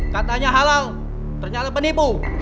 katanya halal ternyata penipu